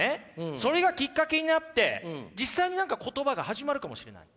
それがきっかけになって実際に何か言葉が始まるかもしれない。